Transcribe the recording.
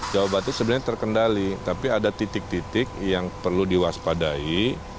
jawa barat itu sebenarnya terkendali tapi ada titik titik yang perlu diwaspadai